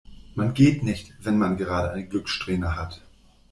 Man geht nicht, wenn man gerade eine Glückssträhne hat.